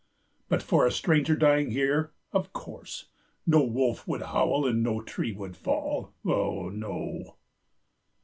But for a stranger dying here, of course no wolf would howl and no tree would fall. Oh, no."